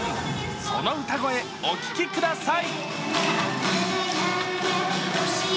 その歌声、お聴きください。